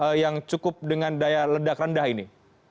apa yang cukup dengan daya ledak rendah ini